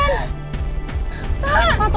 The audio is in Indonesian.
rumah sakit sejahtera